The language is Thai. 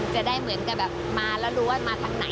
จะได้เหมือนกับแบบมาแล้วรู้ว่ามาทางไหน